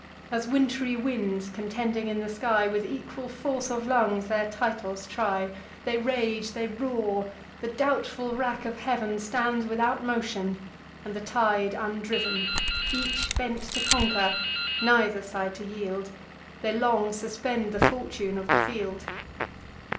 As wintry winds, contending in the sky, With equal force of lungs their titles try: They rage, they roar; the doubtful rack of heav'n Stands without motion, and the tide undriv'n: Each bent to conquer, neither side to yield, They long suspend the fortune of the field.